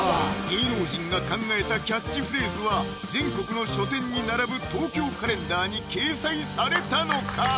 芸能人が考えたキャッチフレーズは全国の書店に並ぶ「東京カレンダー」に掲載されたのか？